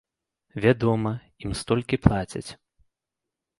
Вядома, ім столькі плацяць!